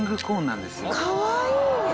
かわいい！